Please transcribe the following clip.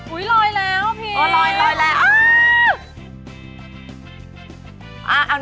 อุ้ยลอยแล้วเพศอ่อลอยแล้ว